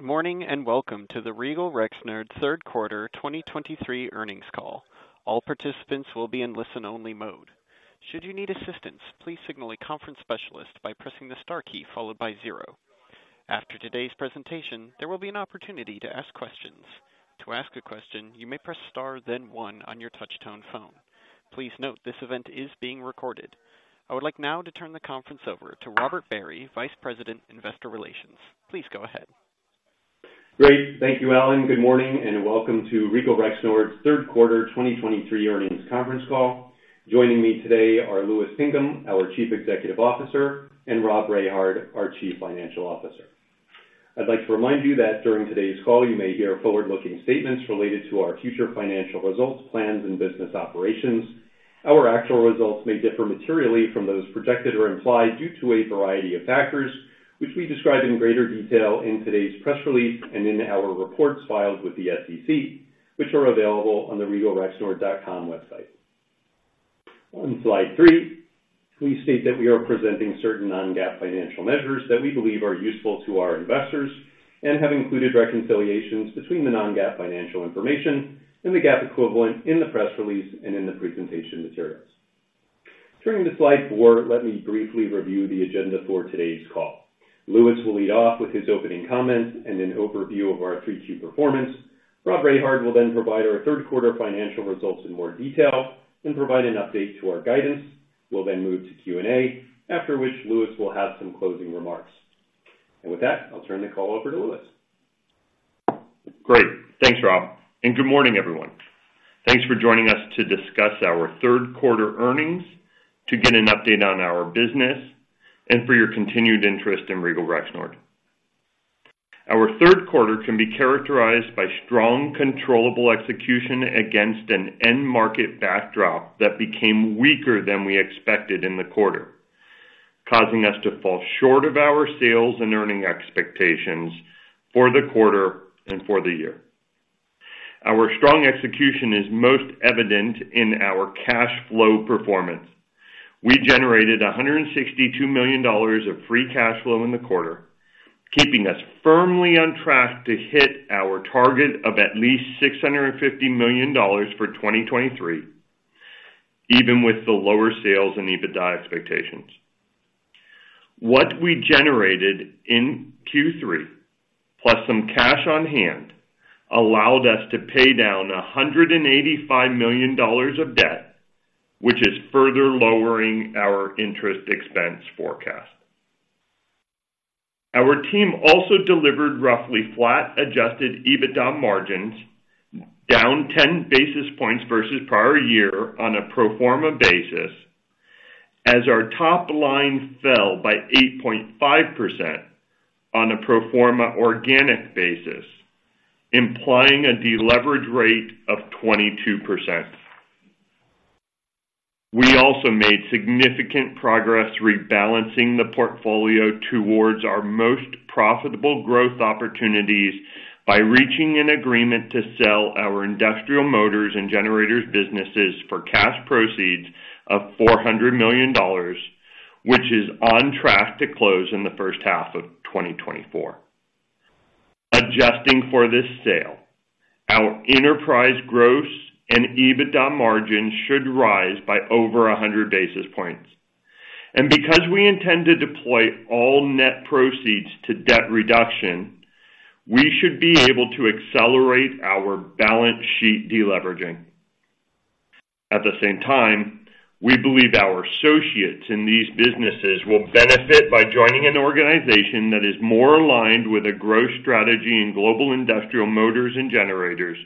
Good morning, and welcome to the Regal Rexnord Third Quarter 2023 Earnings Call. All participants will be in listen-only mode. Should you need assistance, please signal a conference specialist by pressing the star key followed by zero. After today's presentation, there will be an opportunity to ask questions. To ask a question, you may press star, then one on your touchtone phone. Please note that this event is being recorded. I would like now to turn the conference over to Robert Barry, Vice President, Investor Relations. Please go ahead. Great. Thank you, Alan. Good morning, and welcome to Regal Rexnord's Third Quarter 2023 Earnings Conference Call. Joining me today are Louis Pinkham, our Chief Executive Officer, and Rob Rehard, our Chief Financial Officer. I'd like to remind you that during today's call, you may hear forward-looking statements related to our future financial results, plans, and business operations. Our actual results may differ materially from those projected or implied due to a variety of factors, which we describe in greater detail in today's press release and in our reports filed with the SEC, which are available on the regalrexnord.com website. On slide three, we state that we are presenting certain non-GAAP financial measures that we believe are useful to our investors and have included reconciliations between the non-GAAP financial information and the GAAP equivalent in the press release and in the presentation materials. Turning to slide four, let me briefly review the agenda for today's call. Louis will lead off with his opening comments and an overview of our Q3 performance. Rob Rehard will then provide our Third Quarter Financial Results in more detail and provide an update to our guidance. We'll then move to Q&A, after which Louis will have some closing remarks. With that, I'll turn the call over to Louis. Great. Thanks, Rob, and good morning, everyone. Thanks for joining us to discuss our Third Quarter Earnings, to get an update on our business, and for your continued interest in Regal Rexnord. Our third quarter can be characterized by strong, controllable execution against an end market backdrop that became weaker than we expected in the quarter, causing us to fall short of our sales and earning expectations for the quarter and for the year. Our strong execution is most evident in our cash flow performance. We generated $162 million of free cash flow in the quarter, keeping us firmly on track to hit our target of at least $650 million for 2023, even with the lower sales and EBITDA expectations. What we generated in Q3, plus some cash on hand, allowed us to pay down $185 million of debt, which is further lowering our interest expense forecast. Our team also delivered roughly flat adjusted EBITDA margins, down 10 basis points versus prior year on a pro forma basis, as our top line fell by 8.5% on a pro forma organic basis, implying a deleverage rate of 22%. We also made significant progress rebalancing the portfolio towards our most profitable growth opportunities by reaching an agreement to sell our industrial motors and generators businesses for cash proceeds of $400 million, which is on track to close in the first half of 2024. Adjusting for this sale, our enterprise gross and EBITDA margins should rise by over 100 basis points. Because we intend to deploy all net proceeds to debt reduction, we should be able to accelerate our balance sheet deleveraging. At the same time, we believe our associates in these businesses will benefit by joining an organization that is more aligned with a growth strategy in global industrial motors and generators,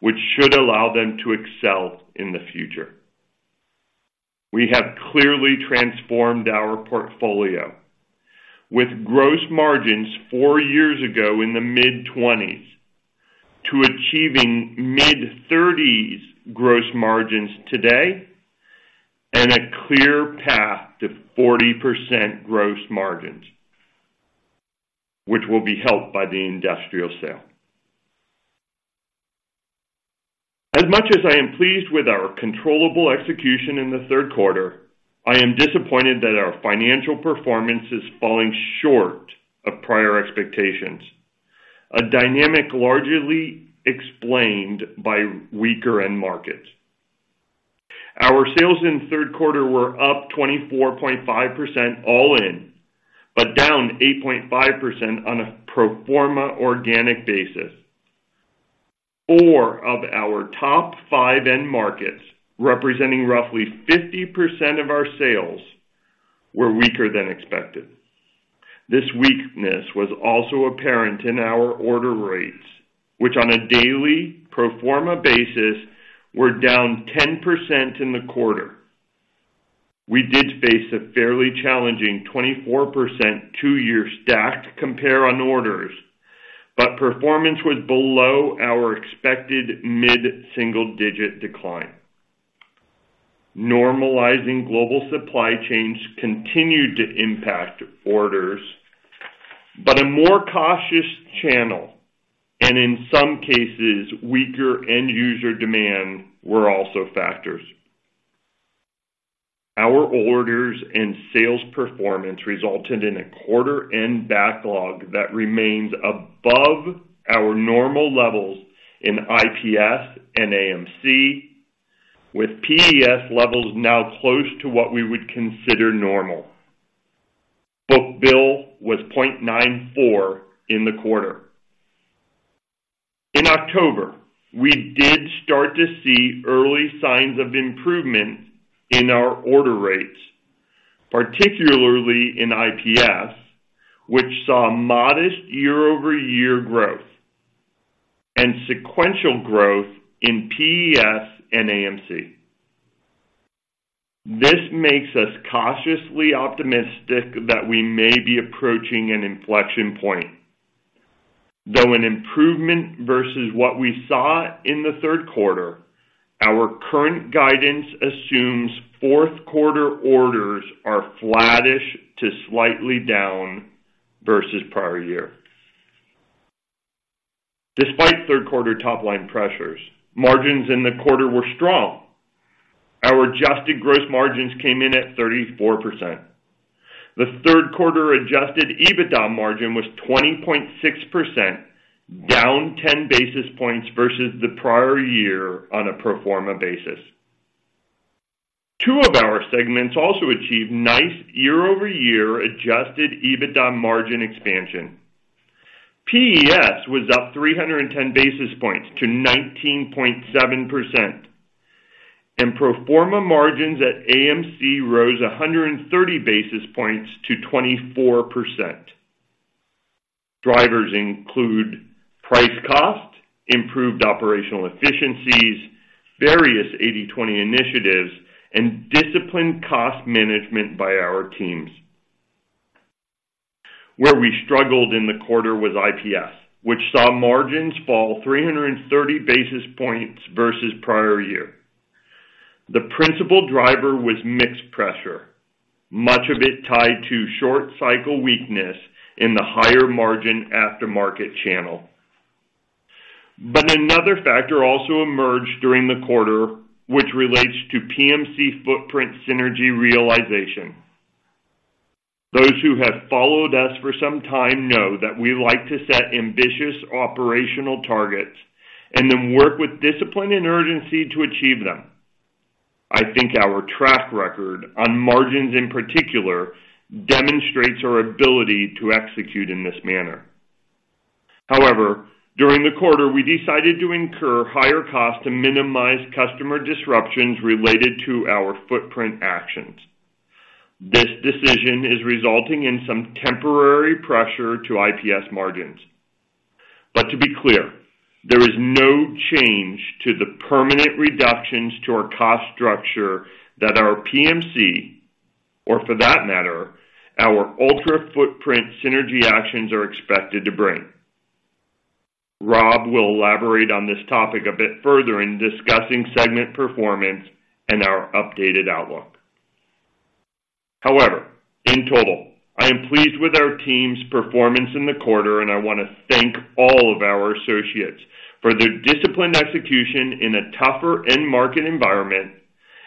which should allow them to excel in the future. We have clearly transformed our portfolio with gross margins four years ago in the mid-20s to achieving mid-30s gross margins today and a clear path to 40% gross margins, which will be helped by the industrial sale. As much as I am pleased with our controllable execution in the third quarter, I am disappointed that our financial performance is falling short of prior expectations, a dynamic largely explained by weaker end markets. Our sales in the third quarter were up 24.5% all in, but down 8.5% on a pro forma organic basis. Four of our top five end markets, representing roughly 50% of our sales, were weaker than expected. This weakness was also apparent in our order rates, which, on a daily pro forma basis, were down 10% in the quarter. We did face a fairly challenging 24% two-year stacked compare on orders, but performance was below our expected mid-single-digit decline. Normalizing global supply chains continued to impact orders, but a more cautious channel and in some cases, weaker end-user demand were also factors our orders and sales performance resulted in a quarter-end backlog that remains above our normal levels in IPS and AMC, with PES levels now close to what we would consider normal. Book-to-bill was 0.94 in the quarter. In October, we did start to see early signs of improvement in our order rates, particularly in IPS, which saw modest year-over-year growth and sequential growth in PES and AMC. This makes us cautiously optimistic that we may be approaching an inflection point. Though an improvement versus what we saw in the third quarter, our current guidance assumes fourth quarter orders are flattish to slightly down versus prior year. Despite third-quarter top-line pressures, margins in the quarter were strong. Our adjusted gross margins came in at 34%. The third quarter adjusted EBITDA margin was 20.6%, down 10 basis points versus the prior year on a pro forma basis. Two of our segments also achieved nice year-over-year adjusted EBITDA margin expansion. PES was up 300 basis points to 19.7%, and pro forma margins at AMC rose 130 basis points to 24%. Drivers include price cost, improved operational efficiencies, various 80/20 initiatives, and disciplined cost management by our teams. Where we struggled in the quarter was IPS, which saw margins fall 330 basis points versus prior year. The principal driver was mix pressure, much of it tied to short-cycle weakness in the higher-margin aftermarket channel. But another factor also emerged during the quarter, which relates to PMC footprint synergy realization. Those who have followed us for some time know that we like to set ambitious operational targets and then work with discipline and urgency to achieve them. I think our track record on margins, in particular, demonstrates our ability to execute in this manner. However, during the quarter, we decided to incur higher costs to minimize customer disruptions related to our footprint actions. This decision is resulting in some temporary pressure to IPS margins. But to be clear, there is no change to the permanent reductions to our cost structure that our PMC, or for that matter, our overall footprint synergy actions, are expected to bring. Rob will elaborate on this topic a bit further in discussing segment performance and our updated outlook. However, in total, I am pleased with our team's performance in the quarter, and I want to thank all of our associates for their disciplined execution in a tougher end market environment,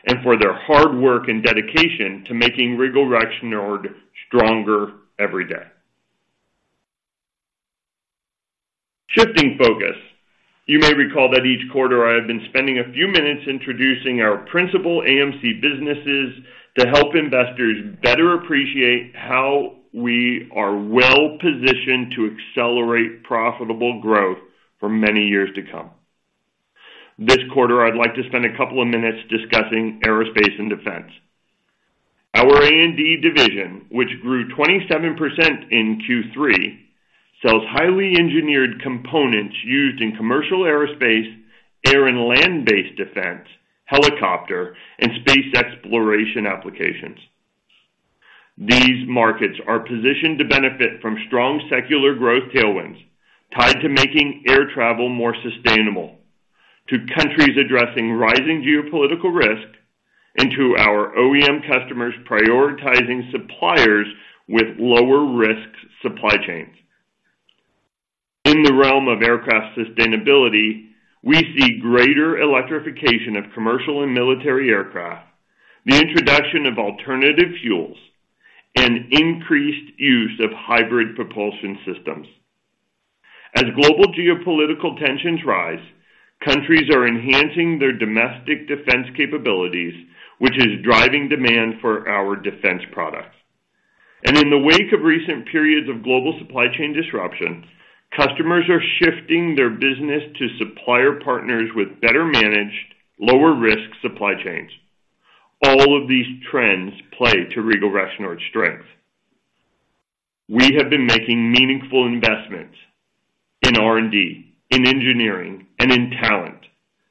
and for their hard work and dedication to making Regal Rexnord stronger every day. Shifting focus. You may recall that each quarter I have been spending a few minutes introducing our principal AMC businesses to help investors better appreciate how we are well-positioned to accelerate profitable growth for many years to come. This quarter, I'd like to spend a couple of minutes discussing Aerospace and Defense. Our A&D division, which grew 27% in Q3, sells highly engineered components used in commercial aerospace, air and land-based defense, helicopter, and space exploration applications. These markets are positioned to benefit from strong secular growth tailwinds tied to making air travel more sustainable, to countries addressing rising geopolitical risk, and to our OEM customers prioritizing suppliers with lower-risk supply chains. In the realm of aircraft sustainability, we see greater electrification of commercial and military aircraft, the introduction of alternative fuels, and increased use of hybrid propulsion systems. As global geopolitical tensions rise, countries are enhancing their domestic defense capabilities, which is driving demand for our defense products. In the wake of recent periods of global supply chain disruption, customers are shifting their business to supplier partners with better managed, lower risk supply chains. All of these trends play to Regal Rexnord's strength. We have been making meaningful investments in R&D, in engineering, and in talent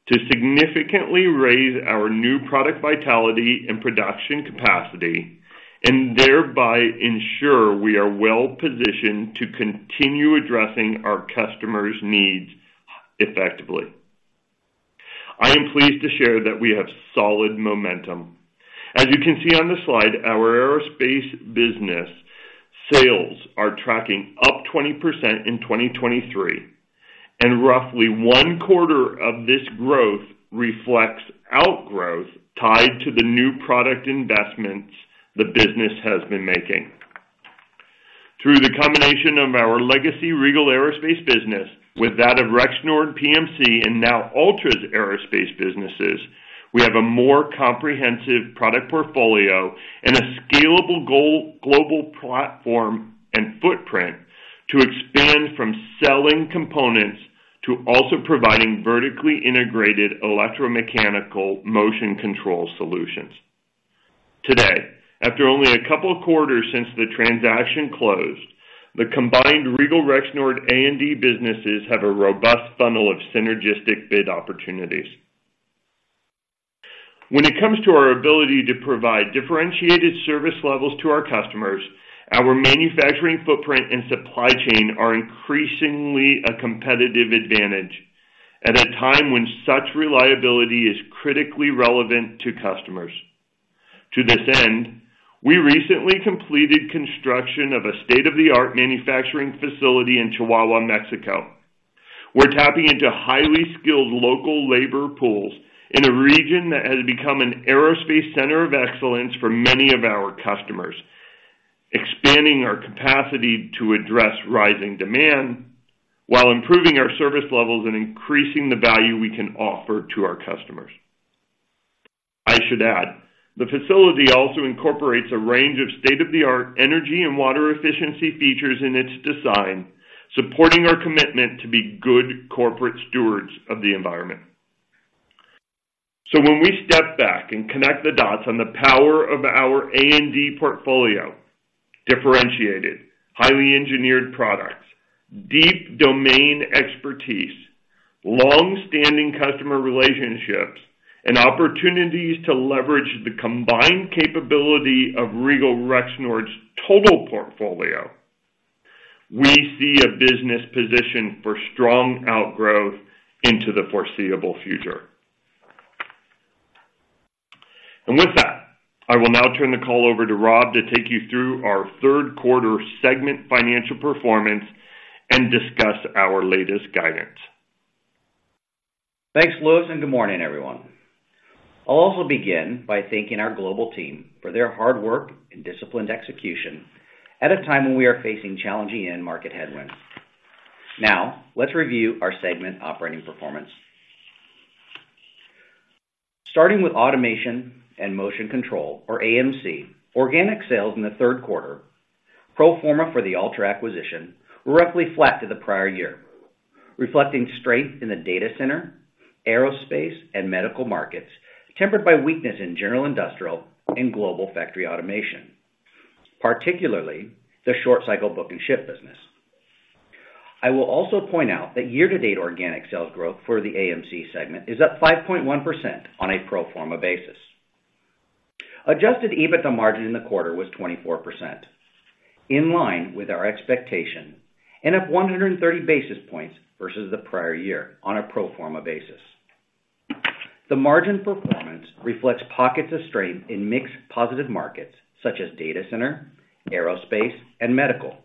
to significantly raise our new product vitality and production capacity, and thereby ensure we are well-positioned to continue addressing our customers' needs effectively. I am pleased to share that we have solid momentum. As you can see on the slide, our aerospace business sales are tracking up 20% in 2023 and roughly one quarter of this growth reflects outgrowth tied to the new product investments the business has been making. Through the combination of our legacy Regal Aerospace business with that of Rexnord PMC, and now Altra's Aerospace businesses, we have a more comprehensive product portfolio and a scalable global platform and footprint to expand from selling components to also providing vertically integrated electromechanical motion control solutions. Today, after only a couple of quarters since the transaction closed, the combined Regal Rexnord A&D businesses have a robust funnel of synergistic bid opportunities. When it comes to our ability to provide differentiated service levels to our customers, our manufacturing footprint and supply chain are increasingly a competitive advantage at a time when such reliability is critically relevant to customers. To this end, we recently completed construction of a state-of-the-art manufacturing facility in Chihuahua, Mexico. We're tapping into highly skilled local labor pools in a region that has become an aerospace center of excellence for many of our customers, expanding our capacity to address rising demand while improving our service levels and increasing the value we can offer to our customers. I should add, the facility also incorporates a range of state-of-the-art energy and water efficiency features in its design, supporting our commitment to be good corporate stewards of the environment. So when we step back and connect the dots on the power of our A&D portfolio, differentiated, highly engineered products, deep domain expertise, long-standing customer relationships, and opportunities to leverage the combined capability of Regal Rexnord's total portfolio, we see a business position for strong outgrowth into the foreseeable future. With that, I will now turn the call over to Rob to take you through our third-quarter segment financial performance and discuss our latest guidance. Thanks, Louis, and good morning, everyone. I'll also begin by thanking our global team for their hard work and disciplined execution at a time when we are facing challenging end-market headwinds. Now, let's review our segment operating performance. Starting with Automation and Motion Control, or AMC, organic sales in the third quarter, pro forma for the Altra acquisition, were roughly flat to the prior year, reflecting strength in the data center, aerospace, and medical markets, tempered by weakness in general industrial and global factory automation, particularly the short-cycle book and ship business. I will also point out that year-to-date organic sales growth for the AMC segment is up 5.1% on a pro forma basis. Adjusted EBITDA margin in the quarter was 24%, in line with our expectation, and up 130 basis points versus the prior year on a pro forma basis. The margin performance reflects pockets of strength in mixed positive markets, such as data center, aerospace, and medical,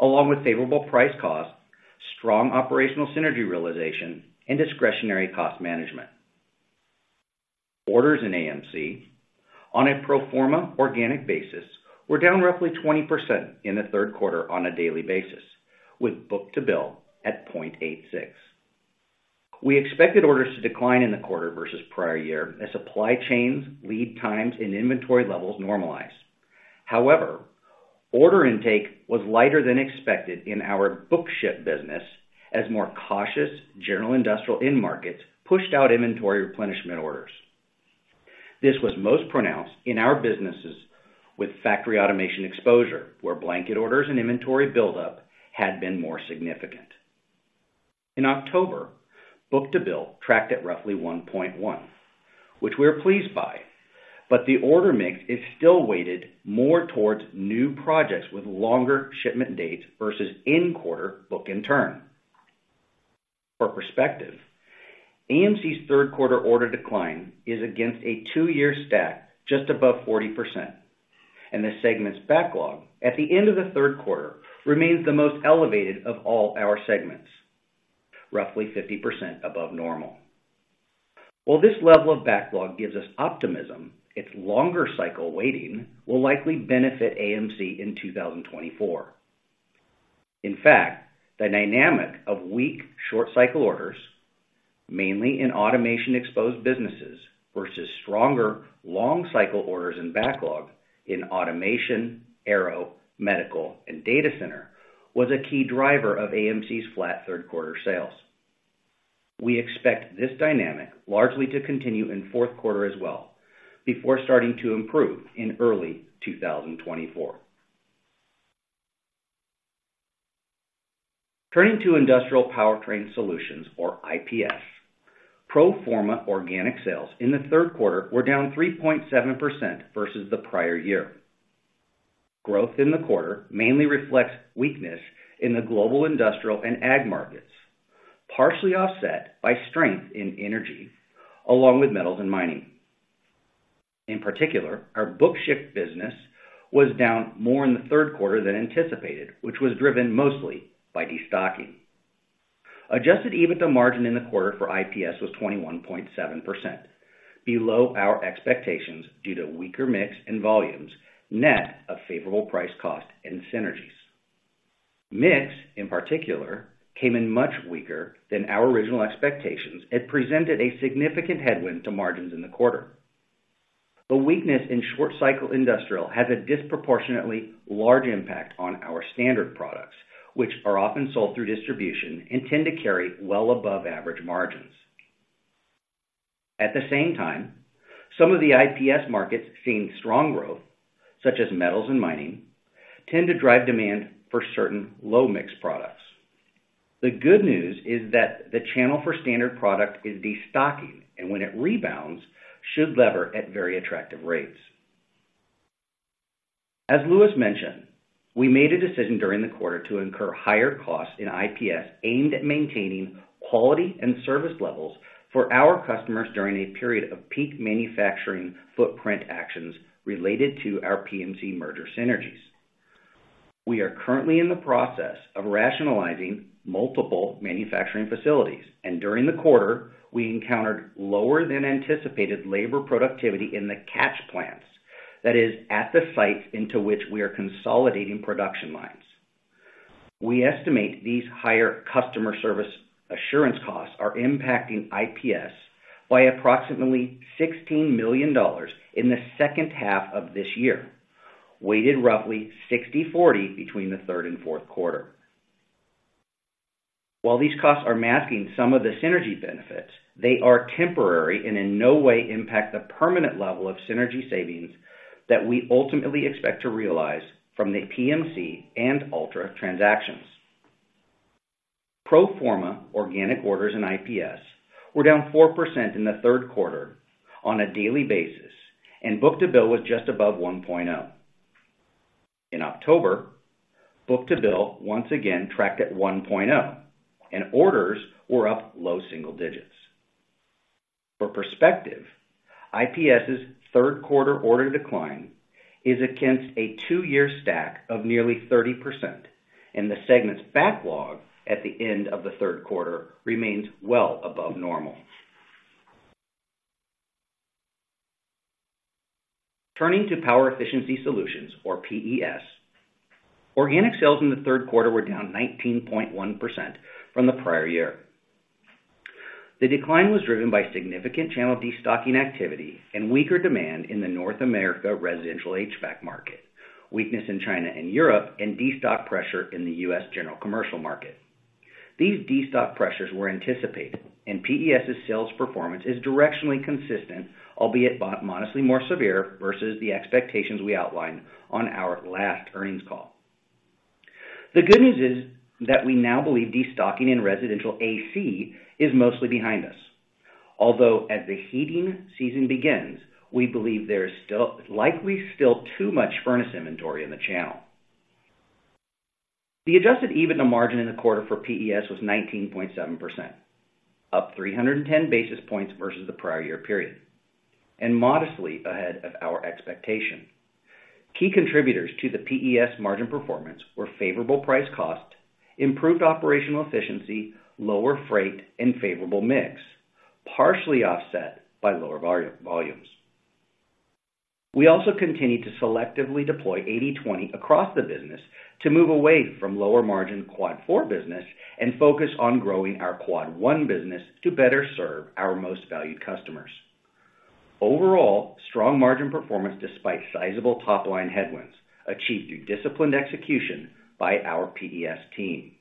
along with favorable price costs, strong operational synergy realization, and discretionary cost management. Orders in AMC on a pro forma organic basis were down roughly 20% in the third quarter on a daily basis, with book-to-bill at 0.86. We expected orders to decline in the quarter versus prior year as supply chains, lead times, and inventory levels normalize. However, order intake was lighter than expected in our book-and-ship business as more cautious general industrial end markets pushed out inventory replenishment orders. This was most pronounced in our businesses with factory automation exposure, where blanket orders and inventory buildup had been more significant. In October, book-to-bill tracked at roughly 1.1, which we are pleased by, but the order mix is still weighted more towards new projects with longer shipment dates versus in-quarter book-and-turn. For perspective, AMC's third-quarter order decline is against a two-year stack just above 40%, and the segment's backlog at the end of the third quarter remains the most elevated of all our segments, roughly 50% above normal. While this level of backlog gives us optimism, its longer cycle waiting will likely benefit AMC in 2024. In fact, the dynamic of weak short-cycle orders, mainly in automation-exposed businesses, versus stronger long-cycle orders and backlog in automation, aero, medical, and data center, was a key driver of AMC's flat third-quarter sales. We expect this dynamic largely to continue in fourth quarter as well, before starting to improve in early 2024. Turning to Industrial Powertrain Solutions, or IPS, pro forma organic sales in the third quarter were down 3.7% versus the prior year. Growth in the quarter mainly reflects weakness in the global industrial and ag markets, partially offset by strength in energy, along with metals and mining. In particular, our book-to-bill business was down more in the third quarter than anticipated, which was driven mostly by destocking. Adjusted EBITDA margin in the quarter for IPS was 21.7%, below our expectations due to weaker mix and volumes, net of favorable price cost and synergies. Mix, in particular, came in much weaker than our original expectations. It presented a significant headwind to margins in the quarter. The weakness in short cycle industrial has a disproportionately large impact on our standard products, which are often sold through distribution and tend to carry well above average margins. At the same time, some of the IPS markets seeing strong growth, such as metals and mining, tend to drive demand for certain low-mix products. The good news is that the channel for standard product is destocking, and when it rebounds, should lever at very attractive rates. As Louis mentioned, we made a decision during the quarter to incur higher costs in IPS, aimed at maintaining quality and service levels for our customers during a period of peak manufacturing footprint actions related to our PMC merger synergies. We are currently in the process of rationalizing multiple manufacturing facilities, and during the quarter, we encountered lower than anticipated labor productivity in the catch plants. That is, at the sites into which we are consolidating production lines. We estimate these higher customer service assurance costs are impacting IPS by approximately $16 million in the second half of this year, weighted roughly 60/40 between the third and fourth quarter. While these costs are masking some of the synergy benefits, they are temporary and in no way impact the permanent level of synergy savings that we ultimately expect to realize from the PMC and Altra transactions. Pro forma organic orders in IPS were down 4% in the third quarter on a daily basis, and book-to-bill was just above 1.0. In October, book-to-bill once again tracked at 1.0, and orders were up low single digits. For perspective, IPS's third quarter order decline is against a two-year stack of nearly 30%, and the segment's backlog at the end of the third quarter remains well above normal. Turning to Power Efficiency Solutions, or PES. Organic sales in the third quarter were down 19.1% from the prior year. The decline was driven by significant channel destocking activity and weaker demand in the North America residential HVAC market, weakness in China and Europe, and destock pressure in the US general commercial market. These destock pressures were anticipated, and PES's sales performance is directionally consistent, albeit modestly more severe versus the expectations we outlined on our last earnings call. The good news is that we now believe destocking in residential AC is mostly behind us. Although as the heating season begins, we believe there is likely still too much furnace inventory in the channel. The adjusted EBITDA margin in the quarter for PES was 19.7%, up 310 basis points versus the prior year period, and modestly ahead of our expectation. Key contributors to the PES margin performance were favorable price-cost, improved operational efficiency, lower freight, and favorable mix, partially offset by lower volumes. We also continued to selectively deploy 80/20 across the business to move away from lower margin Quad 4 business and focus on growing our Quad 1 business to better serve our most valued customers. Overall, strong margin performance despite sizable top-line headwinds, achieved through disciplined execution by our PES team.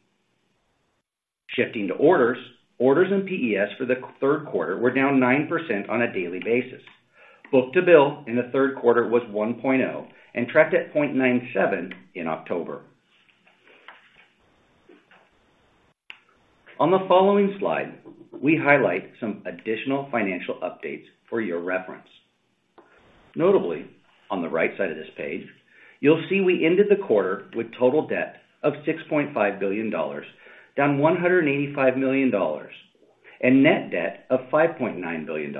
Shifting to orders. Orders in PES for the third quarter were down 9% on a daily basis. Book-to-bill in the third quarter was 1.0, and tracked at 0.97 in October. On the following slide, we highlight some additional financial updates for your reference. Notably, on the right side of this page, you'll see we ended the quarter with total debt of $6.5 billion, down $185 million, and net debt of $5.9 billion,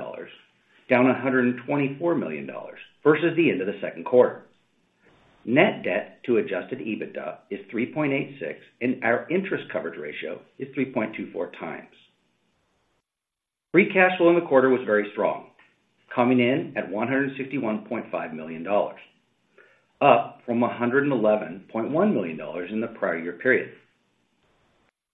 down $124 million versus the end of the second quarter. Net debt to adjusted EBITDA is 3.86, and our interest coverage ratio is 3.24x. Free cash flow in the quarter was very strong, coming in at $161.5 million, up from $111.1 million in the prior year period.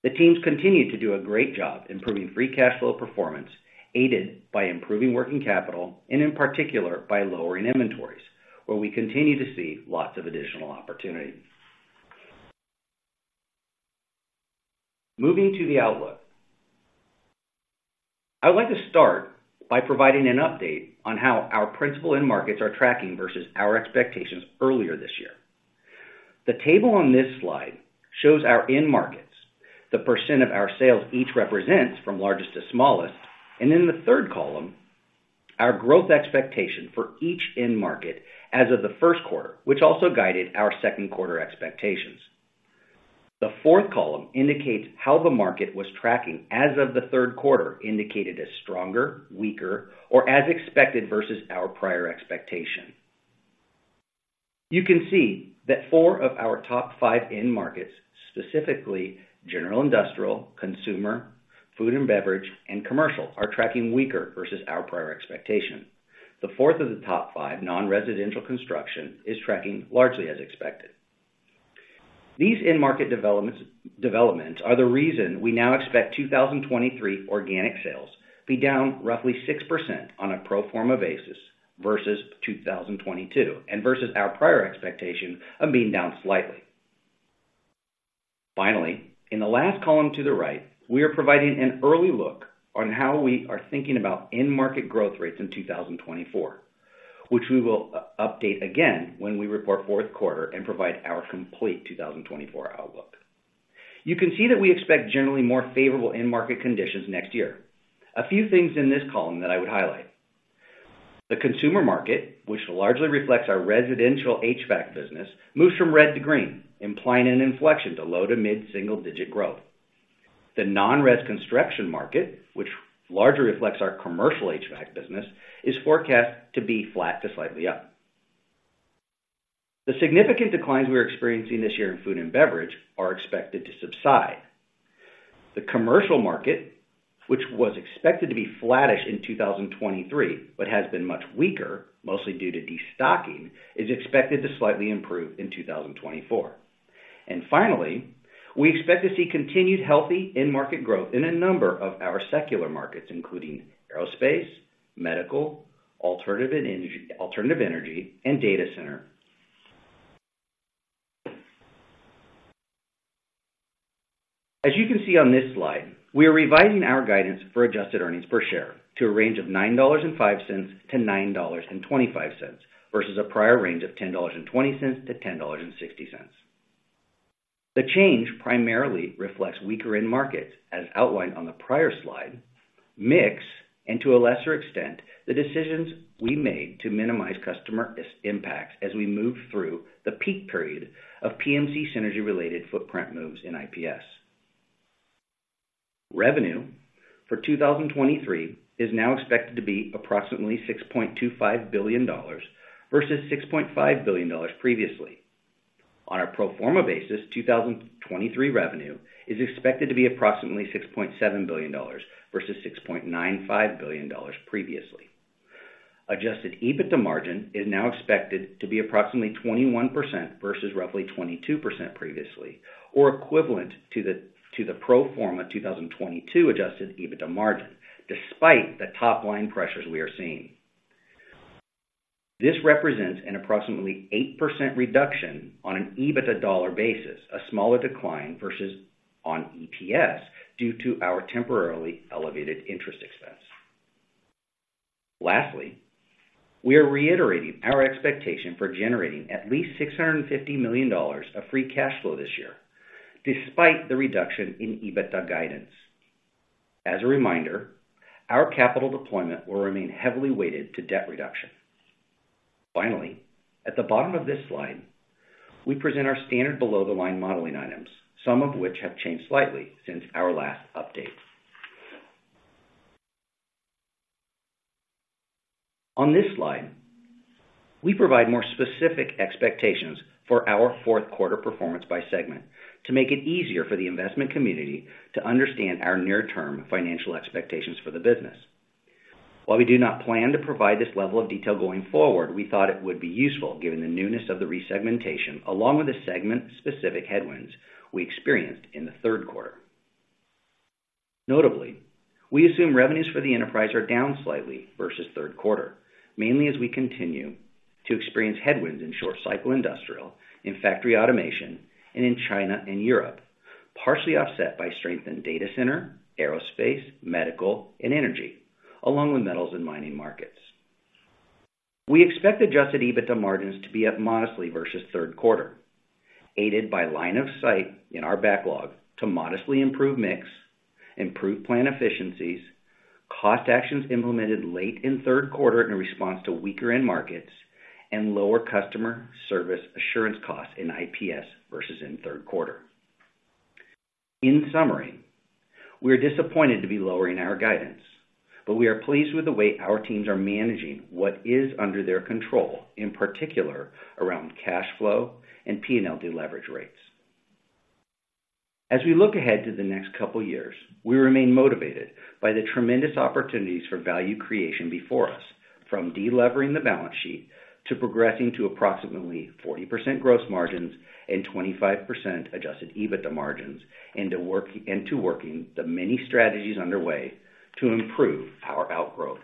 The teams continued to do a great job improving free cash flow performance, aided by improving working capital, and in particular, by lowering inventories, where we continue to see lots of additional opportunities. Moving to the outlook. I'd like to start by providing an update on how our principal end markets are tracking versus our expectations earlier this year. The table on this slide shows our end markets, the percent of our sales each represents from largest to smallest, and in the third column, our growth expectation for each end market as of the first quarter, which also guided our second quarter expectations. The fourth column indicates how the market was tracking as of the third quarter, indicated as stronger, weaker, or as expected versus our prior expectation. You can see that four of our top five end markets, specifically general industrial, consumer, food and beverage, and commercial, are tracking weaker versus our prior expectation. The fourth of the top five, non-residential construction, is tracking largely as expected. These end market developments are the reason we now expect 2023 organic sales to be down roughly 6% on a pro forma basis versus 2022, and versus our prior expectation of being down slightly. Finally, in the last column to the right, we are providing an early look on how we are thinking about end market growth rates in 2024, which we will update again when we report fourth quarter and provide our complete 2024 outlook. You can see that we expect generally more favorable end market conditions next year. A few things in this column that I would highlight: the consumer market, which largely reflects our residential HVAC business, moves from red to green, implying an inflection to low- to mid-single-digit growth. The non-res construction market, which largely reflects our commercial HVAC business, is forecast to be flat to slightly up. The significant declines we are experiencing this year in food and beverage are expected to subside. The commercial market, which was expected to be flattish in 2023, but has been much weaker, mostly due to destocking, is expected to slightly improve in 2024. And finally, we expect to see continued healthy end market growth in a number of our secular markets, including aerospace, medical, alternative and energy, alternative energy, and data center. As you can see on this slide, we are revising our guidance for adjusted earnings per share to a range of $9.05-$9.25, versus a prior range of $10.20-$10.60. The change primarily reflects weaker end markets, as outlined on the prior slide, mix, and to a lesser extent, the decisions we made to minimize customer impacts as we move through the peak period of PMC synergy-related footprint moves in IPS. Revenue for 2023 is now expected to be approximately $6.25 billion, versus $6.5 billion previously. On a pro forma basis, 2023 revenue is expected to be approximately $6.7 billion, versus $6.95 billion previously. Adjusted EBITDA margin is now expected to be approximately 21% versus roughly 22% previously, or equivalent to the pro forma 2022 adjusted EBITDA margin, despite the top-line pressures we are seeing. This represents an approximately 8% reduction on an EBITDA dollar basis, a smaller decline versus on EPS due to our temporarily elevated interest expense. Lastly, we are reiterating our expectation for generating at least $650 million of free cash flow this year, despite the reduction in EBITDA guidance. As a reminder, our capital deployment will remain heavily weighted to debt reduction. Finally, at the bottom of this slide, we present our standard below the line modeling items, some of which have changed slightly since our last update. On this slide, we provide more specific expectations for our fourth quarter performance by segment to make it easier for the investment community to understand our near-term financial expectations for the business. While we do not plan to provide this level of detail going forward, we thought it would be useful given the newness of the re-segmentation, along with the segment-specific headwinds we experienced in the third quarter. Notably, we assume revenues for the enterprise are down slightly versus third quarter, mainly as we continue to experience headwinds in short-cycle industrial, in factory automation, and in China and Europe, partially offset by strength in data center, aerospace, medical, and energy, along with metals and mining markets. We expect adjusted EBITDA margins to be up modestly versus third quarter, aided by line of sight in our backlog to modestly improve mix, improve plan efficiencies, cost actions implemented late in third quarter in response to weaker end markets, and lower customer service assurance costs in IPS versus in third quarter. In summary, we are disappointed to be lowering our guidance, but we are pleased with the way our teams are managing what is under their control, in particular around cash flow and P&L deleverage rates. As we look ahead to the next couple years, we remain motivated by the tremendous opportunities for value creation before us, from delevering the balance sheet, to progressing to approximately 40% gross margins and 25% adjusted EBITDA margins, and to working the many strategies underway to improve our outgrowth.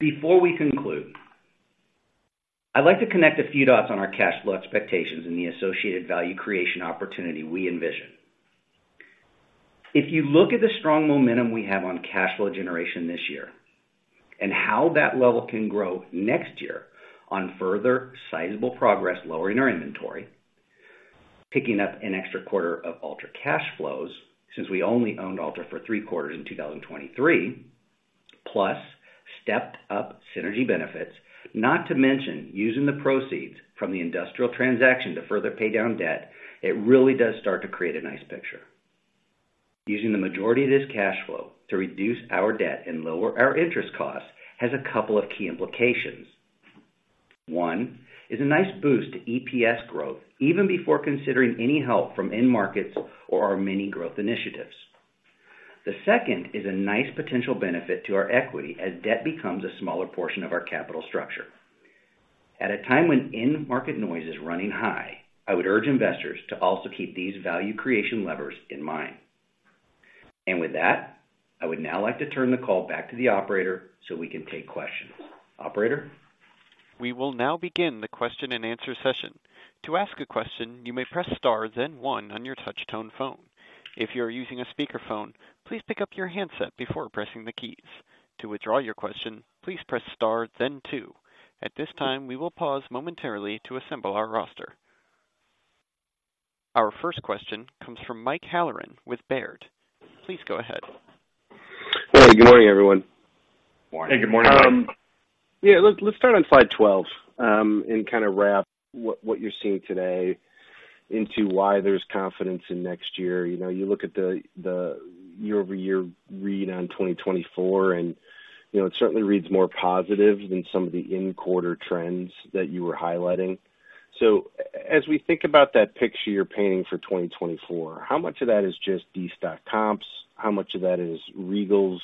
Before we conclude, I'd like to connect a few dots on our cash flow expectations and the associated value creation opportunity we envision. If you look at the strong momentum we have on cash flow generation this year, and how that level can grow next year on further sizable progress, lowering our inventory, picking up an extra quarter of Altra cash flows, since we only owned Altra for three quarters in 2023 plus stepped up synergy benefits, not to mention using the proceeds from the industrial transaction to further pay down debt, it really does start to create a nice picture. Using the majority of this cash flow to reduce our debt and lower our interest costs has a couple of key implications. One, is a nice boost to EPS growth, even before considering any help from end markets or our many growth initiatives. The second is a nice potential benefit to our equity as debt becomes a smaller portion of our capital structure. At a time when end-market noise is running high, I would urge investors to also keep these value creation levers in mind. And with that, I would now like to turn the call back to the operator so we can take questions. Operator? We will now begin the question-and-answer session. To ask a question, you may press star, then one on your touchtone phone. If you are using a speakerphone, please pick up your handset before pressing the keys. To withdraw your question, please press star then two. At this time, we will pause momentarily to assemble our roster. Our first question comes from Mike Halloran with Baird. Please go ahead. Well, good morning, everyone. Good morning. Good morning, Mike. Let's start on slide 12, and kind of wrap what you're seeing today into why there's confidence in next year. You look at the year-over-year read on 2024, and it certainly reads more positive than some of the in-quarter trends that you were highlighting. So as we think about that picture you're painting for 2024, how much of that is just destock comps? How much of that is in Regal's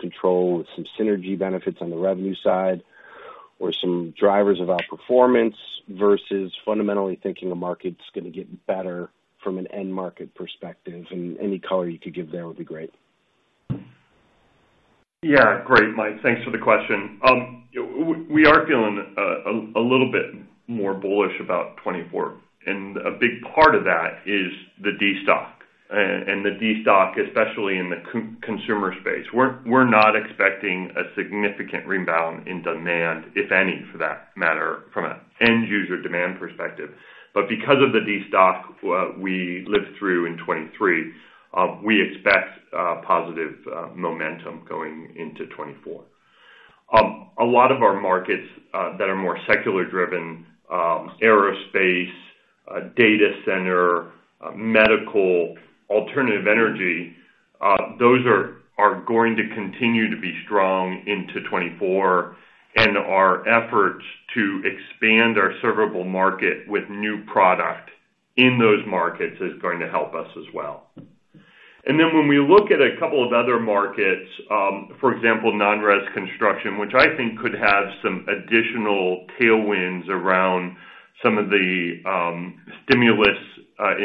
control with some synergy benefits on the revenue side, or some drivers of outperformance, versus fundamentally thinking the market's gonna get better from an end market perspective? Any color you could give there would be great. Yeah. Great, Mike. Thanks for the question. We are feeling a little bit more bullish about 2024, and a big part of that is the destock and the destock, especially in the consumer space. We're not expecting a significant rebound in demand, if any, for that matter, from an end-user demand perspective. But because of the destock we lived through in 2023, we expect positive momentum going into 2024. A lot of our markets that are more secular driven, aerospace, data center, medical, alternative energy, those are going to continue to be strong into 2024, and our efforts to expand our servable market with new product in those markets is going to help us as well. Then when we look at a couple of other markets, for example, non-res construction, which I think could have some additional tailwinds around some of the stimulus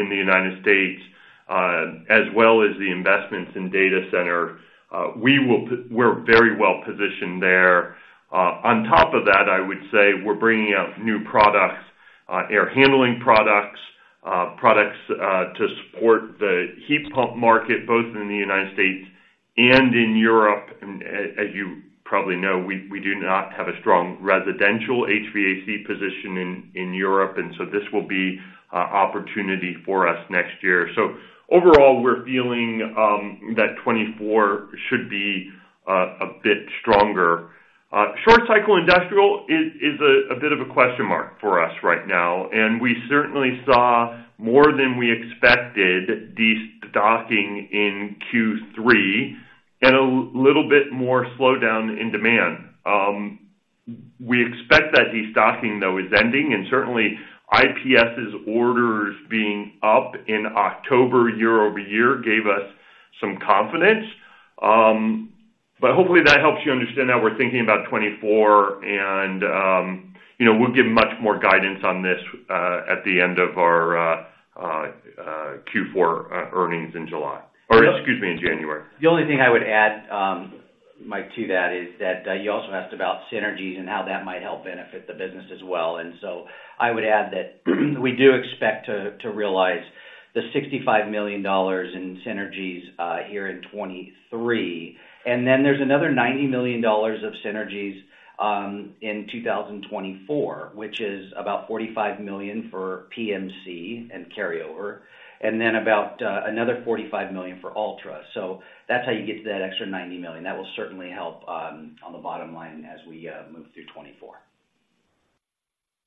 in the United States, as well as the investments in data center, we're very well positioned there. On top of that, I would say we're bringing out new products, air handling products, products to support the heat pump market, both in the United States and in Europe. As you probably know, we do not have a strong residential HVAC position in Europe, and so this will be an opportunity for us next year. So overall, we're feeling that 2024 should be a bit stronger. Short-cycle industrial is a bit of a question mark for us right now, and we certainly saw more than we expected destocking in Q3 and a little bit more slowdown in demand. We expect that destocking, though, is ending, and certainly, IPS's orders being up in October, year-over-year, gave us some confidence. But hopefully, that helps you understand how we're thinking about 2024, and you know, we'll give much more guidance on this at the end of our Q4 earnings in July, or excuse me, in January. The only thing I would add, Mike, to that, is that you also asked about synergies and how that might help benefit the business as well. And so I would add that, we do expect to realize the $65 million in synergies here in 2023. And then there's another $90 million of synergies in 2024, which is about $45 million for PMC and carryover, and then about another $45 million for Altra. So that's how you get to that extra $90 million. That will certainly help on the bottom line as we move through 2024.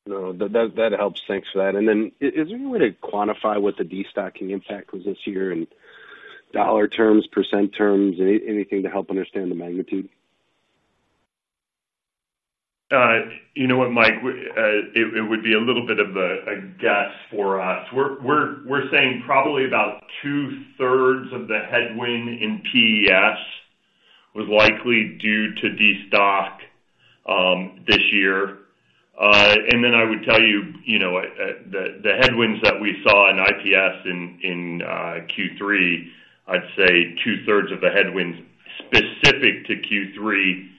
No, that, that helps. Thanks for that. Then is there any way to quantify what the destocking impact was this year in dollar terms, percent terms, anything to help understand the magnitude? You know what, Mike? It would be a little bit of a guess for us. We're saying probably about two-thirds of the headwind in PES was likely due to destock this year. And then I would tell you, you know, the headwinds that we saw in IPS in Q3, I'd say two-thirds of the headwinds specific to Q3.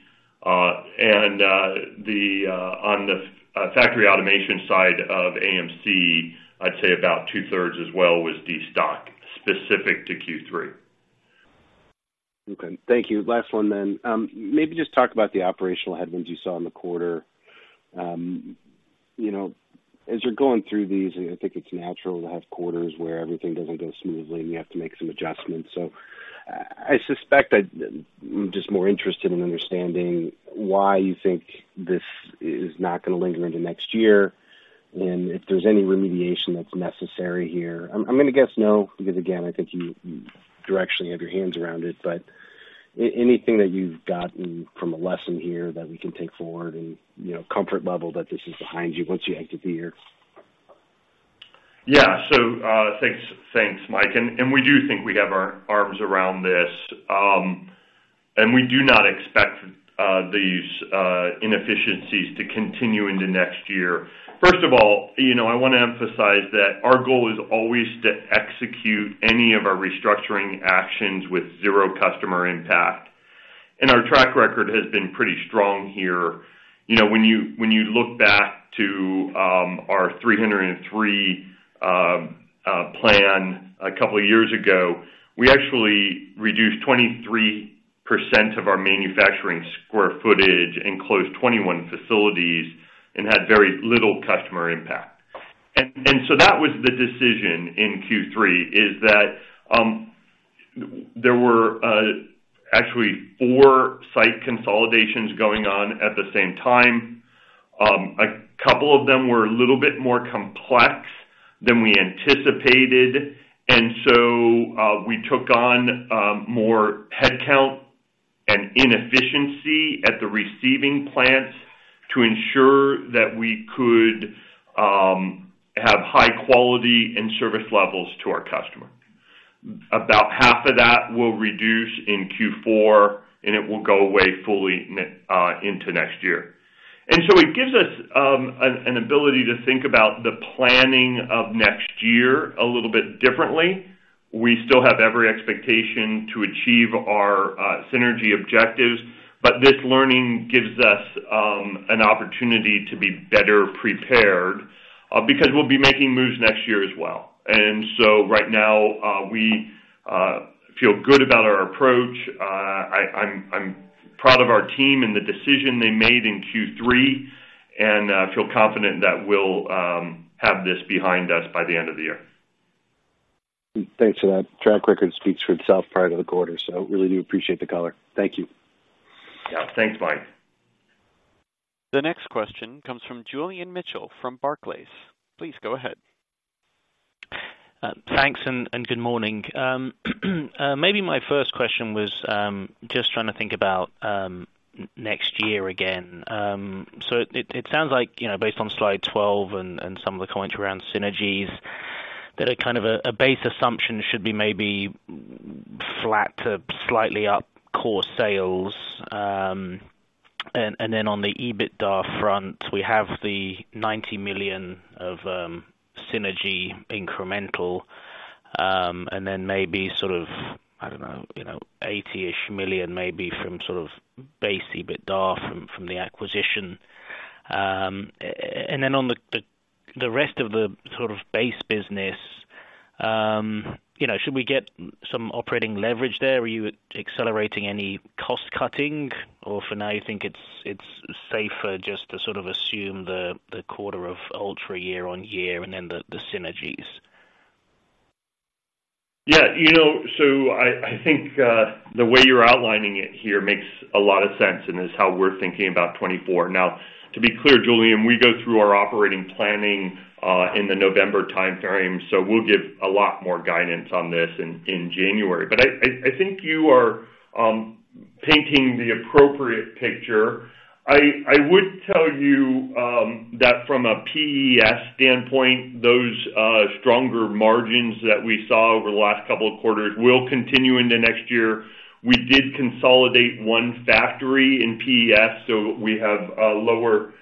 And on the factory automation side of AMC, I'd say about two-thirds as well, was destock specific to Q3. Okay. Thank you. Last one, then. Maybe just talk about the operational headwinds you saw in the quarter. You know, as you're going through these, I think it's natural to have quarters where everything doesn't go smoothly, and you have to make some adjustments. So I suspect that I'm just more interested in understanding why you think this is not gonna linger into next year, and if there's any remediation that's necessary here. I'm gonna guess no, because, again, I think you directionally have your hands around it, but anything that you've gotten from a lesson here that we can take forward and comfort level that this is behind you once you exit the year? Mike, and we do think we have our arms around this. And we do not expect these inefficiencies to continue into next year. First of all, I wanna emphasize that our goal is always to execute any of our restructuring actions with zero customer impact, and our track record has been pretty strong here. When you look back to our 30/30 plan a couple of years ago, we actually reduced 23% of our manufacturing square footage and closed 21 facilities and had very little customer impact. And so that was the decision in Q3, is that there were actually four site consolidations going on at the same time. A couple of them were a little bit more complex than we anticipated, and so we took on more headcount and inefficiency at the receiving plants to ensure that we could have high quality and service levels to our customer. About half of that will reduce in Q4, and it will go away fully into next year. And so it gives us an ability to think about the planning of next year a little bit differently. We still have every expectation to achieve our synergy objectives, but this learning gives us an opportunity to be better prepared because we'll be making moves next year as well. And so right now we feel good about our approach. I'm proud of our team and the decision they made in Q3, and feel confident that we'll have this behind us by the end of the year. Thanks for that. Track record speaks for itself prior to the quarter, so really do appreciate the color. Thank you. Yeah. Thanks, Mike. The next question comes from Julian Mitchell from Barclays. Please go ahead. Thanks, and good morning. Maybe my first question was just trying to think about next year again. So it sounds like based on slide 12 and some of the comments around synergies, that a kind of a base assumption should be maybe flat to slightly up core sales. And then on the EBITDA front, we have the $90 million of synergy incremental, and then maybe $80-ish million, maybe from sort of base EBITDA from the acquisition. And then on the rest of the sort of base business, you know, should we get some operating leverage there? Are you accelerating any cost-cutting, or for now, you think it's safer just to sort of assume the quarter of Altra year-over-year and then the synergies? I think the way you're outlining it here makes a lot of sense, and is how we're thinking about 2024. Now, to be clear, Julian, we go through our operating planning in the November time frame, so we'll give a lot more guidance on this in January. But I think you are painting the appropriate picture. I would tell you that from a PES standpoint, those stronger margins that we saw over the last couple of quarters will continue into next year. We did consolidate one factory in PES, so we have a lower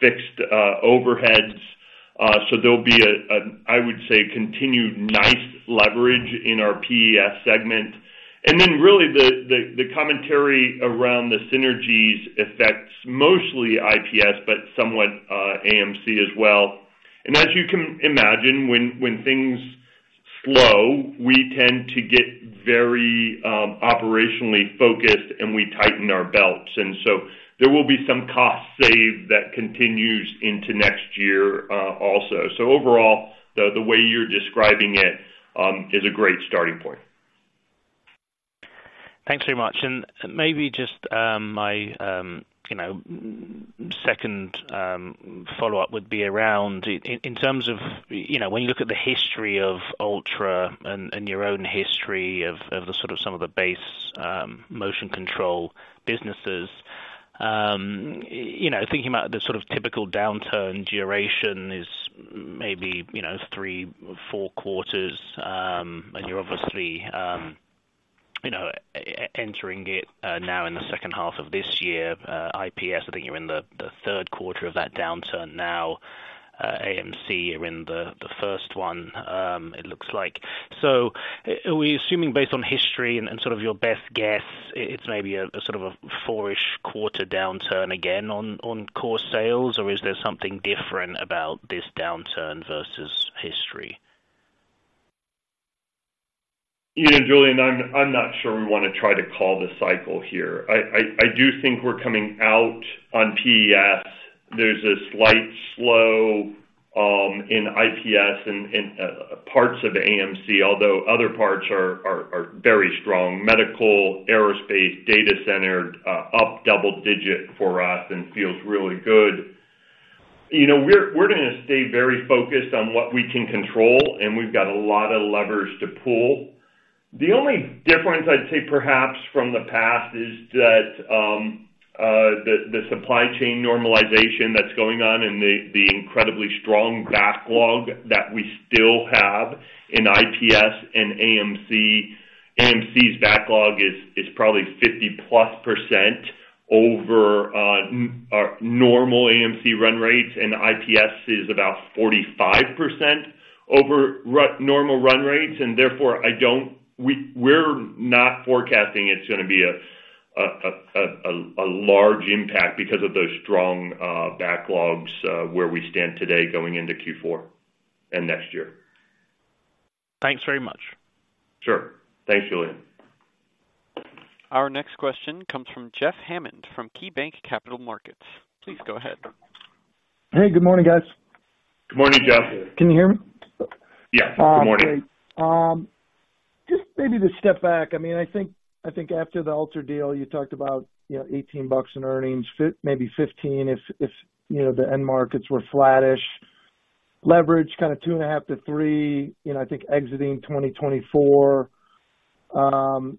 fixed overheads. So there'll be an, I would say, continued nice leverage in our PES segment. And then really, the commentary around the synergies affects mostly IPS, but somewhat AMC as well. As you can imagine, when things slow, we tend to get very operationally focused, and we tighten our belts, and so there will be some cost save that continues into next year, also. So overall, the way you're describing it is a great starting point. Thanks very much. And maybe just, my, you know, second follow-up would be around in terms of, you know, when you look at the history of Altra and, and your own history of, of the sort of some of the base motion control businesses, you know, thinking about the sort of typical downturn duration is maybe, you know, three, four quarters. And you're obviously, you know, entering it now in the second half of this year. IPS, I think you're in the, the third quarter of that downturn now. AMC, you're in the, the first one, it looks like. So, are we assuming based on history and sort of your best guess, it's maybe a sort of a four-ish quarter downturn again on core sales, or is there something different about this downturn versus history? You know, Julian, I'm not sure we wanna try to call the cycle here. I do think we're coming out on PES. There's a slight slowdown in IPS and parts of AMC, although other parts are very strong. Medical, aerospace, data center up double-digit for us and feels really good. You know, we're gonna stay very focused on what we can control, and we've got a lot of levers to pull. The only difference I'd say perhaps from the past is that the supply chain normalization that's going on and the incredibly strong backlog that we still have in IPS and AMC. AMC's backlog is probably 50%+ over normal AMC run rates, and IPS is about 45% over normal run rates. Therefore, we're not forecasting it's gonna be a large impact because of those strong backlogs where we stand today going into Q4 and next year. Thanks very much. Sure. Thanks, Julian. Our next question comes from Jeff Hammond, from KeyBanc Capital Markets. Please go ahead. Hey, good morning, guys. Good morning, Jeff. Can you hear me? Yeah. Good morning. Just maybe to step back after the Altra deal, you talked about $18 in earnings, maybe $15 if the end markets were flattish. Leverage, 2.5-3 I think exiting 2024, and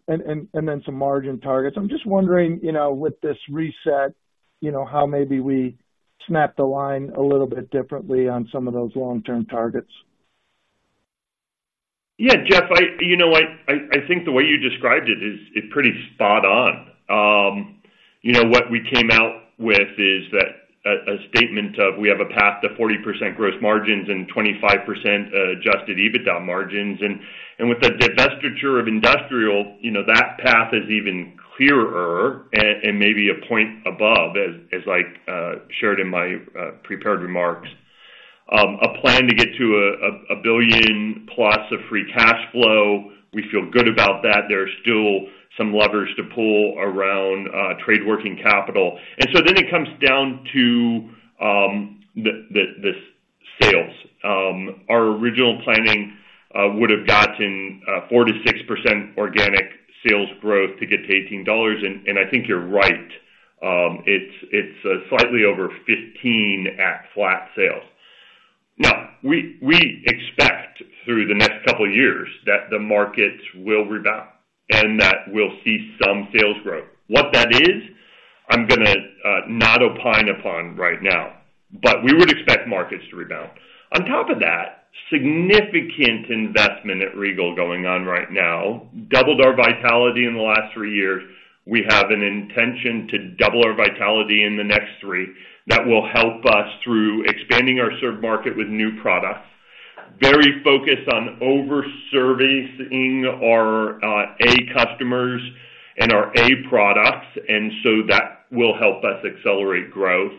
then some margin targets. I'm just wondering with this reset how maybe we snap the line a little bit differently on some of those long-term targets? Jeff, You know what? I think the way you described it is pretty spot on. What we came out with is that, a statement of we have a path to 40% gross margins and 25% adjusted EBITDA margins. And with the divestiture of industrial, you know, that path is even clearer, and maybe a point above, as I shared in my prepared remarks. A plan to get to $1 billion+ of free cash flow, we feel good about that. There are still some levers to pull around trade working capital. And so then it comes down to the sales. Our original planning would have gotten 4%-6% organic sales growth to get to $18. I think you're right, it's slightly over 15 at flat sales. Now, we expect through the next couple of years that the markets will rebound and that we'll see some sales growth. What that is, I'm gonna not opine upon right now, but we would expect markets to rebound. On top of that, significant investment at Regal going on right now, doubled our vitality in the last three years. We have an intention to double our vitality in the next three. That will help us through expanding our served market with new products. Very focused on over-servicing our A customers and our A products, and so that will help us accelerate growth.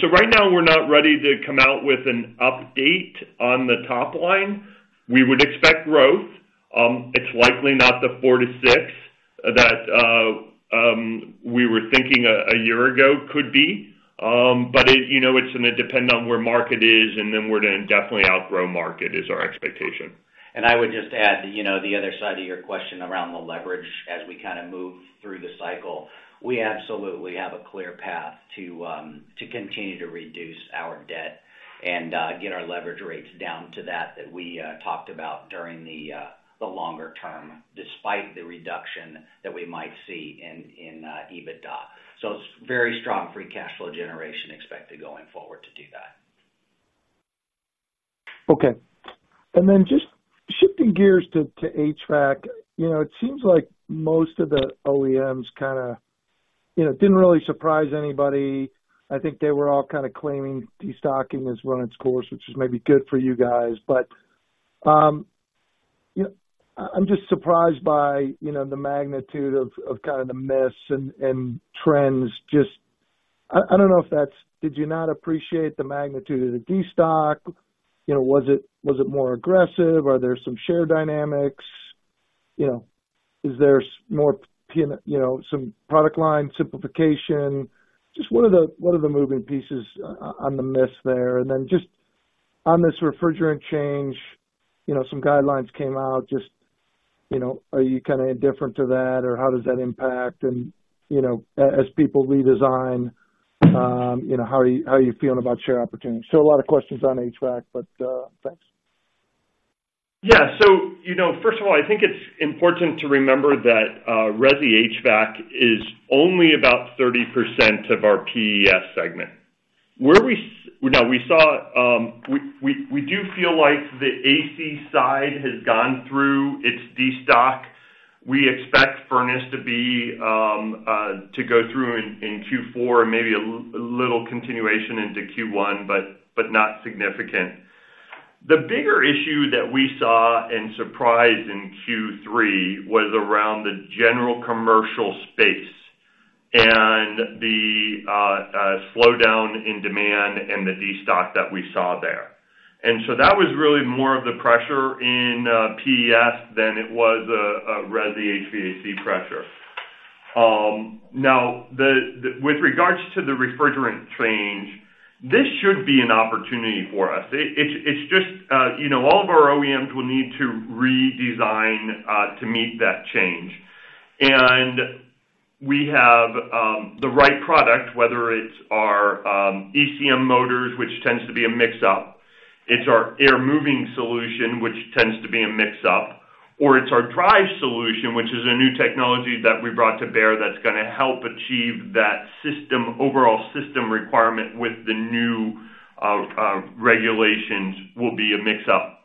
So right now, we're not ready to come out with an update on the top line. We would expect growth. It's likely not the 4-6 that we were thinking a year ago could be, but, you know, it's gonna depend on where market is, and then we're gonna definitely outgrow market, is our expectation. I would just add, you know, the other side to your question around the leverage as we kinda move through the cycle. We absolutely have a clear path to continue to reduce our debt and get our leverage rates down to that we talked about during the longer term, despite the reduction that we might see in EBITDA. So it's very strong free cash flow generation expected going forward to do that. Okay. And then just shifting gears to HVAC. You know, it seems like most of the OEMs kinda, you know, didn't really surprise anybody. I think they were all kinda claiming destocking is running its course, which is maybe good for you guys. I'm just surprised by the magnitude of the miss and trends. Just, I don't know if that's. Did you not appreciate the magnitude of the destock? Was it more aggressive? Are there some share dynamics? You know, is there more, you know, some product line simplification? Just what are the, what are the moving pieces on the miss there? And then just on this refrigerant change, you know, some guidelines came out are you indifferent to that, or how does that impact? As people redesign how are you, how are you feeling about share opportunities? So a lot of questions on HVAC, but, thanks. So, first of all, I think it's important to remember that resi HVAC is only about 30% of our PES segment. Now, we saw we do feel like the AC side has gone through its destock. We expect furnace to go through in Q4, and maybe a little continuation into Q1, but not significant. The bigger issue that we saw and surprised in Q3 was around the general commercial space and the slowdown in demand and the destock that we saw there. And so that was really more of the pressure in PES than it was resi the HVAC pressure. Now, with regards to the refrigerant change, this should be an opportunity for us. It's just all of our OEMs will need to redesign to meet that change. And we have the right product, whether it's our ECM motors, which tends to be a mix-up, it's our air moving solution, which tends to be a mix-up, or it's our drive solution, which is a new technology that we brought to bear that's gonna help achieve that system, overall system requirement with the new regulations, will be a mix-up.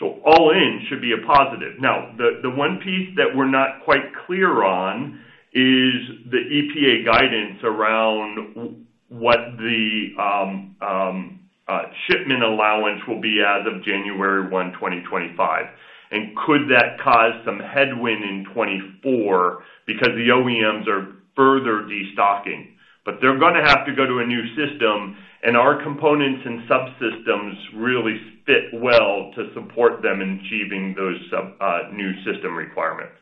So all in, should be a positive. Now, the one piece that we're not quite clear on is the EPA guidance around what the shipment allowance will be as of January 1, 2025, and could that cause some headwind in 2024? Because the OEMs are further destocking. They're gonna have to go to a new system, and our components and subsystems really fit well to support them in achieving those sub, new system requirements.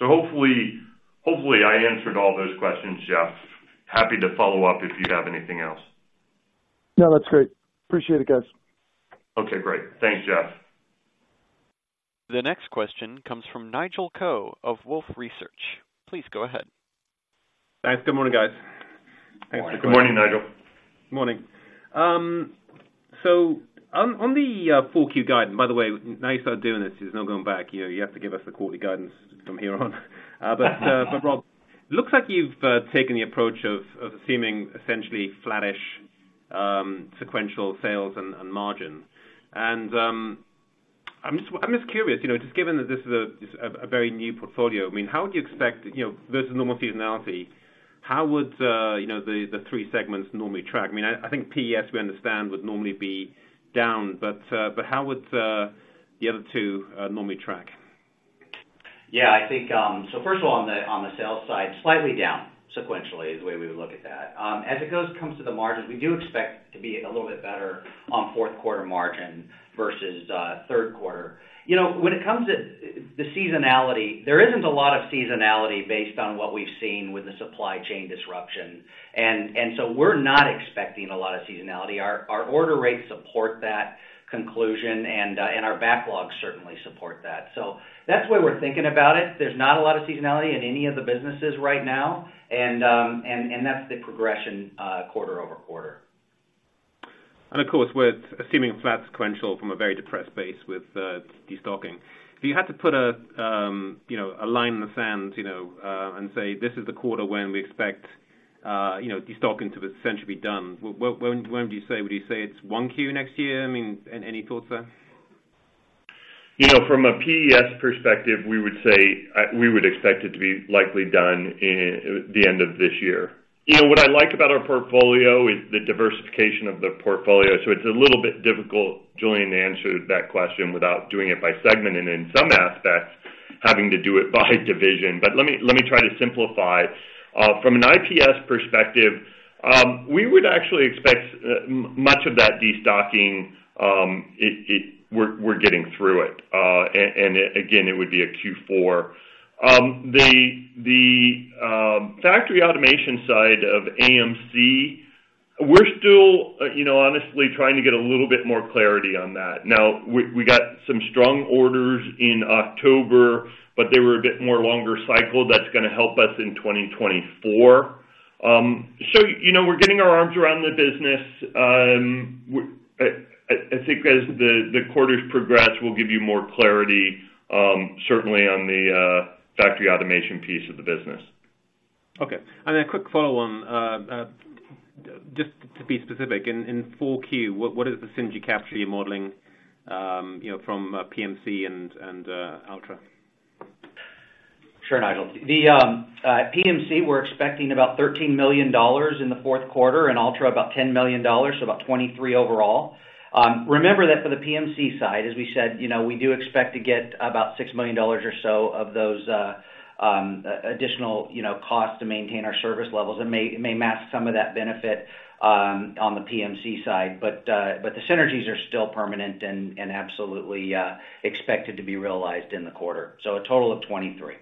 Hopefully, hopefully, I answered all those questions, Jeff. Happy to follow up if you have anything else. No, that's great. Appreciate it, guys. Okay, great. Thanks, Jeff. The next question comes from Nigel Coe of Wolfe Research. Please go ahead. Thanks. Good morning, guys. Good morning, Nigel. Morning. So on the 4Q guidance, by the way, now you start doing this, there's no going back. You have to give us the quarterly guidance from here on. But Rob, looks like you've taken the approach of seeming essentially flattish sequential sales and margin. And I'm just curious, you know, just given that this is a very new portfolio, I mean, how would you expect, you know, versus normal seasonality, how would you know, the three segments normally track? I mean, I think PES, we understand, would normally be down, but how would the other two normally track? Yeah, I think, so first of all, on the sales side, slightly down sequentially is the way we would look at that. As it comes to the margins, we do expect to be a little bit better on fourth quarter margin versus third quarter. You know, when it comes to the seasonality, there isn't a lot of seasonality based on what we've seen with the supply chain disruption. And so we're not expecting a lot of seasonality. Our order rates support that conclusion, and our backlogs certainly support that. So that's the way we're thinking about it. There's not a lot of seasonality in any of the businesses right now, and that's the progression quarter-over-quarter. Of course, with assuming flat sequential from a very depressed base with destocking, if you had to put a line in the sand, you know, and say, "This is the quarter when we expect destocking to essentially be done," when would you say? Would you say it's 1Q next year? I mean, any thoughts there? From a PES perspective, we would say we would expect it to be likely done in the end of this year. What I like about our portfolio is the diversification of the portfolio. So it's a little bit difficult, Julian, to answer that question without doing it by segment, and in some aspects, having to do it by division. But let me, let me try to simplify. From an IPS perspective, we would actually expect much of that destocking. We're getting through it. And again, it would be a Q4. The factory automation side of AMC, we're still, you know, honestly trying to get a little bit more clarity on that. Now, we got some strong orders in October, but they were a bit more longer cycle. That's gonna help us in 2024. So, you know, we're getting our arms around the business. I think as the quarters progress, we'll give you more clarity, certainly on the factory automation piece of the business. Okay. A quick follow-on. Just to be specific, in 4Q, what is the synergy capture you're modeling, you know, from PMC and Altra? Sure, Nigel. The PMC, we're expecting about $13 million in the fourth quarter, and Altra, about $10 million, so about $23 million overall. Remember that for the PMC side, as we said, you know, we do expect to get about $6 million or so of those additional, you know, costs to maintain our service levels. It may mask some of that benefit on the PMC side, but the synergies are still permanent and absolutely expected to be realized in the quarter. So a total of $23 million.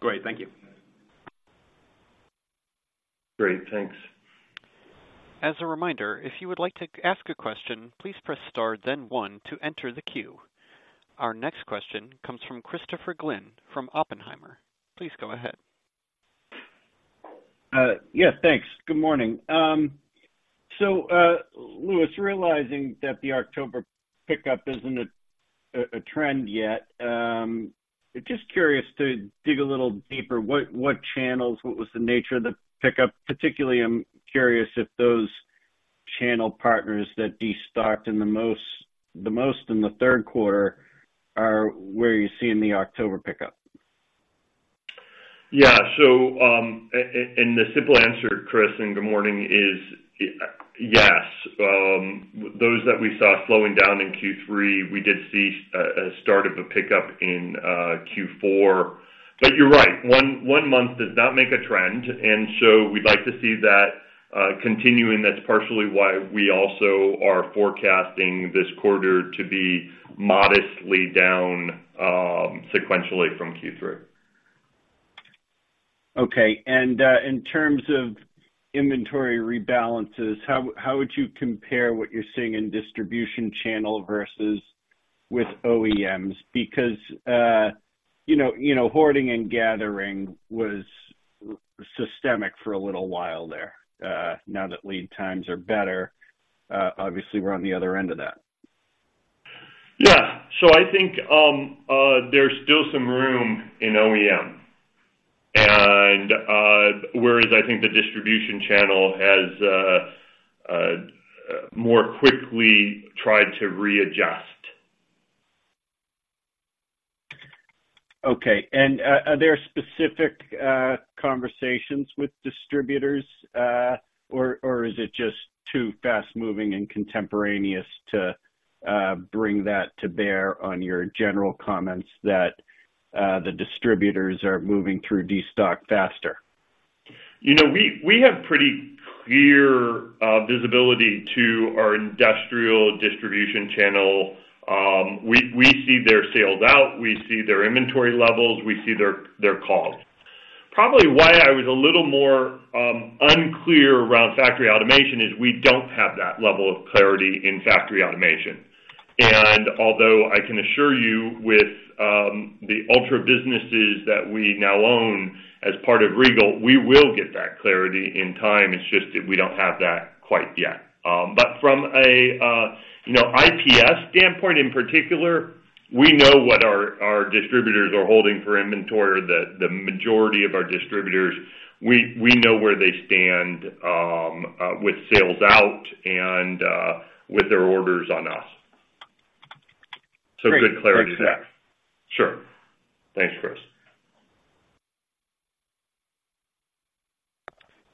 Great. Thank you. Great. Thanks. As a reminder, if you would like to ask a question, please press star then one to enter the queue. Our next question comes from Christopher Glynn from Oppenheimer. Please go ahead. Yeah, thanks. Good morning. So, Louis, realizing that the October pickup isn't a trend yet, just curious to dig a little deeper, what channels, what was the nature of the pickup? Particularly, I'm curious if those channel partners that destocked in the most in the third quarter are where you're seeing the October pickup? The simple answer, Chris, and good morning, is, yes, those that we saw slowing down in Q3, we did see a start of a pickup in Q4. But you're right, one month does not make a trend, and so we'd like to see that continuing. That's partially why we also are forecasting this quarter to be modestly down, sequentially from Q3. Okay. And in terms of inventory rebalances, how would you compare what you're seeing in distribution channel versus with OEMs? Because you know, you know, hoarding and gathering was systemic for a little while there. Now that lead times are better, obviously, we're on the other end of that. Yeah. So I think, there's still some room in OEM, and, whereas I think the distribution channel has more quickly tried to readjust. Okay. And, are there specific conversations with distributors, or is it just too fast-moving and contemporaneous to bring that to bear on your general comments that the distributors are moving through destock faster? You know, we have pretty clear visibility to our industrial distribution channel. We see their sales out, we see their inventory levels, we see their calls. Probably why I was a little more unclear around factory automation is we don't have that level of clarity in factory automation. And although I can assure you with the Altra businesses that we now own as part of Regal, we will get that clarity in time. It's just that we don't have that quite yet. But from a you know, IPS standpoint in particular, we know what our distributors are holding for inventory, or the majority of our distributors, we know where they stand with sales out and with their orders on us. So good clarity there. Great. Sure. Thanks, Chris.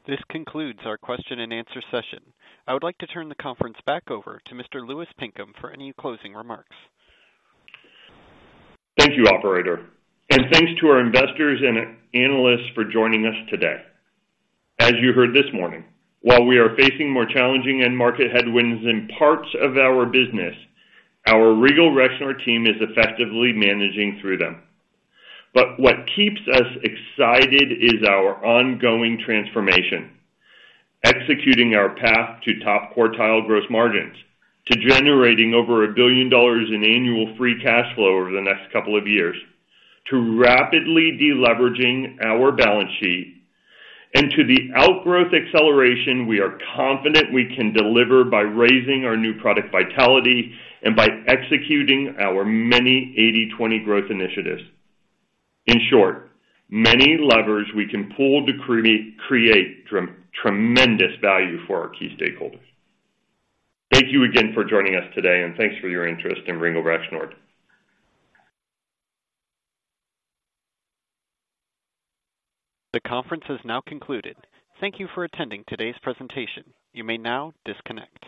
This concludes our question and answer session. I would like to turn the conference back over to Mr. Louis Pinkham for any closing remarks. Thank you, operator, and thanks to our investors and analysts for joining us today. As you heard this morning, while we are facing more challenging end market headwinds in parts of our business, our Regal Rexnord team is effectively managing through them. But what keeps us excited is our ongoing transformation, executing our path to top quartile gross margins, to generating over $1 billion in annual free cash flow over the next couple of years, to rapidly deleveraging our balance sheet, and to the outgrowth acceleration we are confident we can deliver by raising our new product vitality and by executing our many 80/20 growth initiatives. In short, many levers we can pull to create tremendous value for our key stakeholders. Thank you again for joining us today, and thanks for your interest in Regal Rexnord. The conference has now concluded. Thank you for attending today's presentation. You may now disconnect.